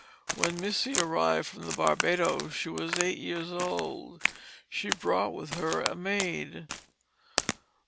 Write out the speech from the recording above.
When Missy arrived from the Barbadoes she was eight years old. She brought with her a maid.